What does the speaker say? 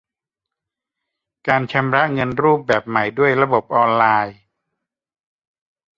การชำระเงินรูปแบบใหม่ด้วยระบบออนไลน์